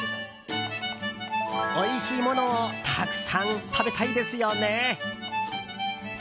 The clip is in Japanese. おいしいものをたくさん食べたいですよね。